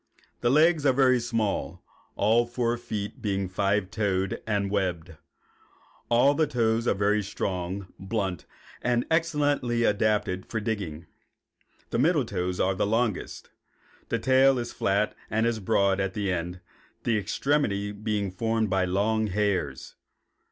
The legs are very small, all four feet being five toed and webbed. All the toes are very strong, blunt, and excellently adapted for digging. The middle toes are the longest. The tail is flat and is broad at the end, the extremity being formed by long hairs.